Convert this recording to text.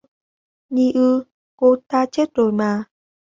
Nhi ư, cô ta chết rồi mà